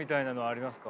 ありますか？